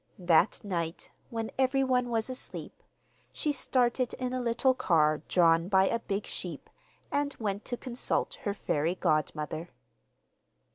That night, when everyone was asleep, she started in a little car drawn by a big sheep, and went to consult her fairy godmother.